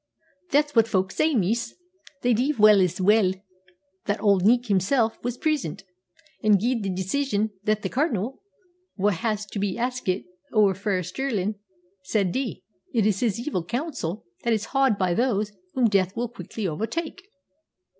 "That's what folk say, miss. They div say as weel that Auld Nick himsel' was present, an' gied the decision that the Cardinal, wha was to be askit ower frae Stirlin', should dee. It is his evil counsel that is h'ard by those whom death will quickly overtake."